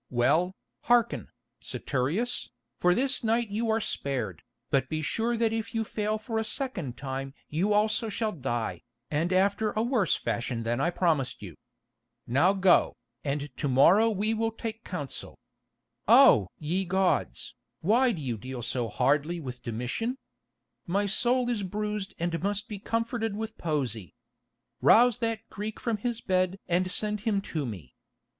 "Well, hearken, Saturius, for this night you are spared, but be sure that if you fail for the second time you also shall die, and after a worse fashion than I promised you. Now go, and to morrow we will take counsel. Oh! ye gods, why do you deal so hardly with Domitian? My soul is bruised and must be comforted with poesy. Rouse that Greek from his bed and send him to me.